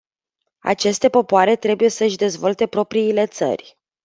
Aceste popoare trebuie să-și dezvolte propriile țări.